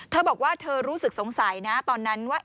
เธอบอกว่าเธอรู้สึกสงสัยนะตอนนั้นว่า